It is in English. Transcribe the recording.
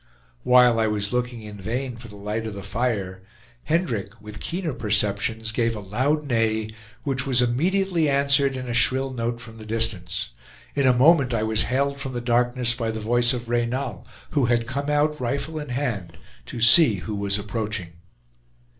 While I was looking in vain for the light of the fire, Hendrick, with keener perceptions, gave a loud neigh, which was immediately answered in a shrill note from the distance. In a moment I was hailed from the darkness by the voice of Reynal, who had come out, rifle in hand, to see who was approaching.